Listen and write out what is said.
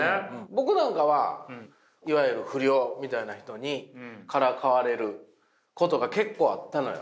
僕なんかはいわゆる不良みたいな人にからかわれることが結構あったのよ。